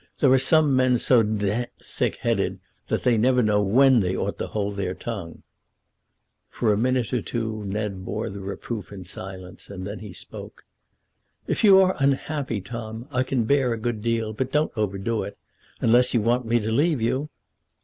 "There are some men so d d thick headed that they never know when they ought to hold their tongue." For a minute or two Ned bore the reproof in silence, and then he spoke. "If you are unhappy, Tom, I can bear a good deal; but don't overdo it, unless you want me to leave you."